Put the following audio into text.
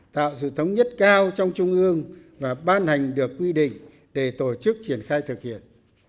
tạo sự thống nhất cao trong trung ương và ban hành được quy định để tổ chức triển khai thực hiện